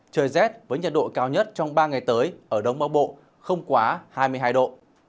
trời rét với nhiệt độ cao nhất trong ba ngày tới ở đông bắc bộ không quá hai mươi hai độ